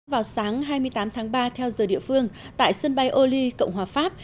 vào sáng hai mươi tám tháng ba theo giờ địa phương tại sân bay oli cộng hòa pháp